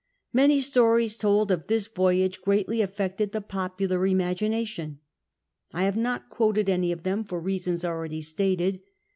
Many stories told of this voyage greatly affected the popular imagination. I have not quoted any of them for reasons already stated.